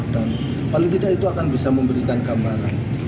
dan paling tidak itu akan bisa memberikan gambaran